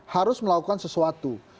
harus melakukan sesuatu